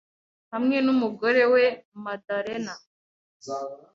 hamwe n’umugore we Madalena